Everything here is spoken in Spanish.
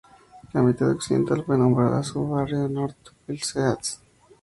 La mitad occidental fue nombrada el sub-barrio de "North Hills East.